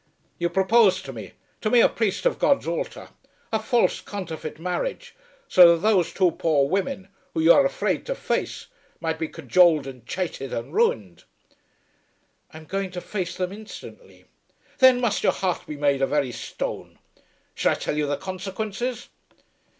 You proposed to me, to me a priest of God's altar, a false counterfeit marriage, so that those two poor women, who you are afraid to face, might be cajoled and chaited and ruined." "I am going to face them instantly." "Then must your heart be made of very stone. Shall I tell you the consequences?"